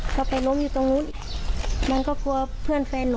ก็ล้มไปตรงนู้น